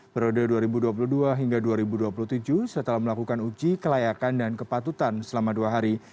periode dua ribu dua puluh dua hingga dua ribu dua puluh tujuh setelah melakukan uji kelayakan dan kepatutan selama dua hari